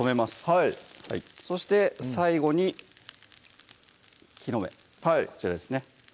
はいそして最後に木の芽こちらですね